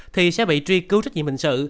thì sẽ bị truy cưu trách nhiệm hình sự